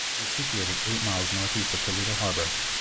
It is situated eight miles northeast of Toledo Harbor.